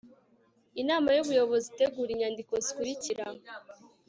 inama y'ubuyobozi itegura inyandiko zikurikira